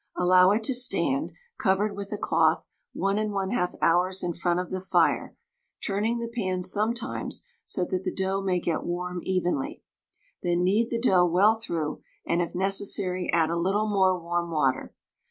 Allow it to stand, covered with a cloth, 1 1/2 hours in front of the fire, turning the pan sometimes, so that the dough may get warm evenly. Then knead the dough well through, and if necessary add a little more warm water.